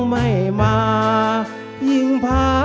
เจ้าทิ้งสัญญาหรือนางที่อ่างวางอารมณ์